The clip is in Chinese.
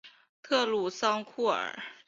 特鲁桑库尔。